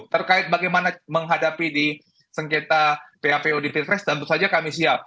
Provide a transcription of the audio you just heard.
terkait bagaimana menghadapi di sengketa phpu di pilpres tentu saja kami siap